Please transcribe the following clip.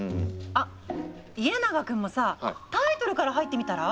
あっイエナガ君もさタイトルから入ってみたら？